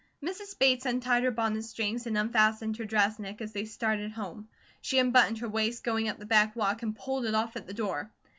Mrs. Bates untied her bonnet strings and unfastened her dress neck as they started home. She unbuttoned her waist going up the back walk and pulled it off at the door.